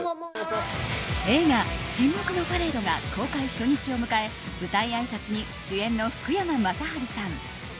映画「沈黙のパレード」が公開初日を迎え舞台あいさつに主演の福山雅治さん